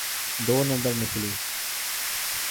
دو number نکلی۔